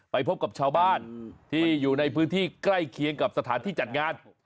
ไปพบกับชาวบ้านที่อยู่ในพื้นที่ใกล้เคียงกับสถานที่จัดงาน